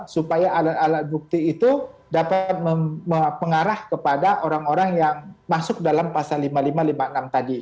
supaya alat alat bukti itu dapat mengarah kepada orang orang yang masuk dalam pasal lima ribu lima ratus lima puluh enam tadi